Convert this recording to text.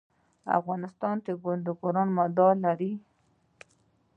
د افغانستان تکواندو مډال لري